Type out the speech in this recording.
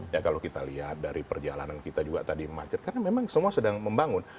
kalau kita lihat dari perjalanan kita tadi karena memang semua sedang membangun